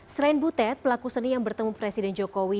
selain butet pelaku seni yang bertemu presiden jokowi